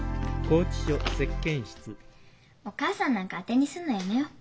お母さんなんか当てにすんのやめよう。